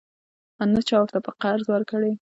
او نه چا ورته په قرض ورکړې.